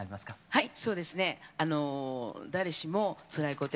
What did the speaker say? はい。